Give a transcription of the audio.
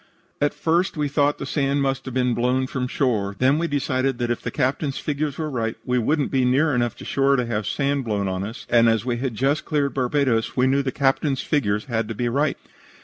"At first we thought that the sand must have been blown from shore. Then we decided that if the Captain's figures were right we wouldn't be near enough to shore to have sand blow on us, and as we had just cleared Barbados, we knew that the Captain's figures had to be right.